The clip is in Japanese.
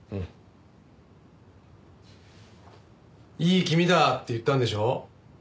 いい気味だって言ったんでしょ？